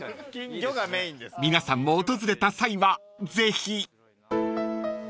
［皆さんも訪れた際はぜひ］